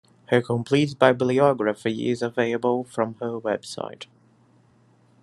Her complete bibliography is available from her website.